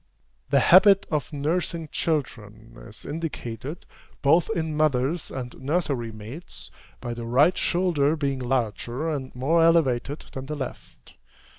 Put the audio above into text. The habit of nursing children is indicated, both in mothers and nursery maids, by the right shoulder being larger and more elevated than the left.